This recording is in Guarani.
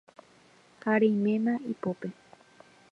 ha reiméma ipópe